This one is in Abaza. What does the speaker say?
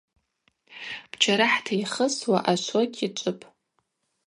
Пчарыхӏта йхысуа ашвокь йчӏвыпӏ.